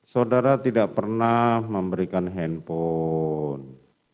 saudara tidak pernah memberikan handphone